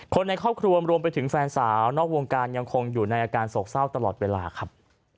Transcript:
คนในครอบครัวรวมไปถึงแฟนสาวนอกวงการยังคงอยู่ในอาการโศกเศร้าตลอดเวลาครับ